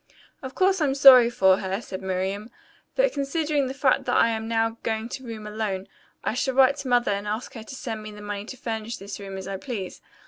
"Of course I'm sorry for her," said Miriam, "but considering the fact that I am now going to room alone, I shall write to Mother and ask her to send me the money to furnish this room as I please.